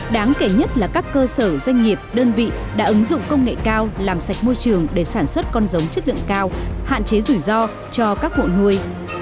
đáng kể nhất là các cơ sở doanh nghiệp đơn vị đã ứng dụng công nghệ cao làm sạch môi trường để sản xuất con giống chất lượng cao hạn chế rủi ro cho các hộ nuôi